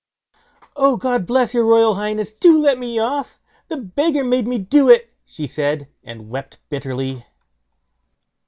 "Oh, God bless your royal highness; do let me off! The beggar made me do it", she said, and wept bitterly.